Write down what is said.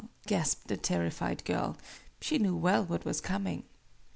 gasped the terrified girl. She knew well what was coming.